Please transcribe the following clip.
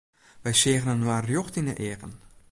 Wy seagen inoar rjocht yn 'e eagen.